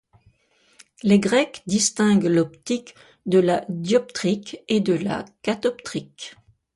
Les Grecs distinguent l'optique de la dioptrique et de la catoptrique.